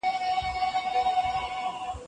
ته به خامخا له اړمنو سره مرسته وکړې.